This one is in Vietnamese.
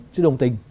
chứ đồng tình